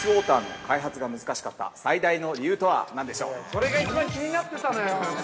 ◆それが一番気になってたのよ。